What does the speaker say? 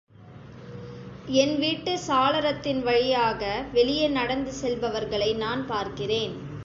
என் வீட்டுச் சாளரத்தின் வழியாக வெளியே நடந்து செல்பவர்களை நான் பார்க்கிறேன்.